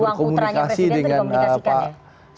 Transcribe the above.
luang utranya presiden itu dikomunikasikan ya